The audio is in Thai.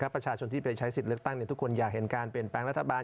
ประชาชนที่ไปใช้สิทธิ์เลือกตั้งทุกคนอยากเห็นการเปลี่ยนแปลงรัฐบาล